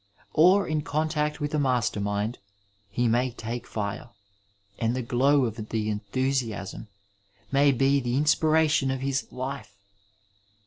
Or, in contact with a mastermind, he may take fire, and the glow of the enthus iasm may be the inspiration of his life.